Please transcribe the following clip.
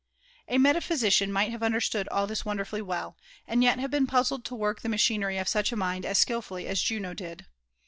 A metaphysician might have understood all this wonderfully woQ^ aad yet bate been pu»Ied to work Uie machinery of sacb a raimi as skilfully as Juno did.